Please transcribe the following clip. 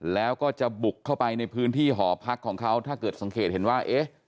แล้วก็จะบุกเข้าไปในพื้นที่หอพักของเขาถ้าเกิดสังเกตเห็นว่าเอ๊ะ